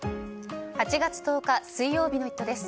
８月１０日、水曜日の「イット！」です。